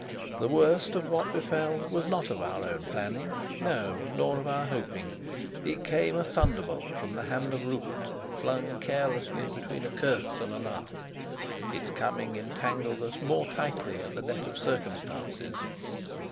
The worst of what befell was not of our own planning, no, nor of our hoping. It came a thunderbolt from the hand of Rupert, flung carelessly between a curse and a laugh; its coming entangled us more tightly in the net of circumstances.